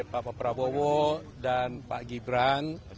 bapak prabowo dan pak gibran